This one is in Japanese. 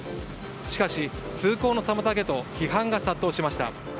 しかし、通行の妨げと批判が殺到しました。